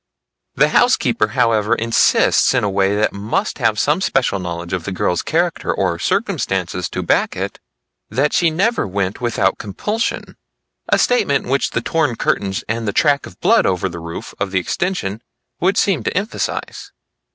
The housekeeper, however, insists in a way that must have had some special knowledge of the girl's character or circumstances to back it, that she never went without compulsion; a statement which the torn curtains and the track of blood over the roof of the extension, would seem to emphasize.